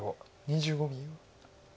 ２５秒。